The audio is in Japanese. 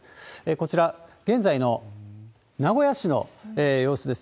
こちら、現在の名古屋市の様子です。